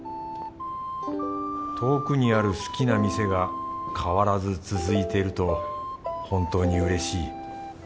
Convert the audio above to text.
遠くにある好きな店が変わらず続いてると本当にうれしい。